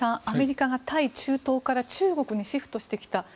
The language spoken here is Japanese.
アメリカが対中東から中国にシフトしてきた。